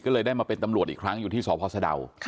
ก็เลยได้มาเป็นตำรวจอีกครั้งอยู่ที่สพสะดาว